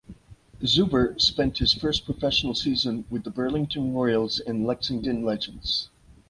Zuber spent his first professional season with the Burlington Royals and Lexington Legends.